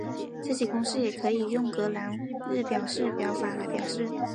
这些公式也可以用拉格朗日表示法来表示。